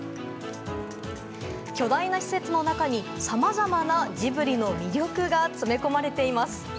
巨大な施設の中にさまざまなジブリの魅力が詰め込まれています。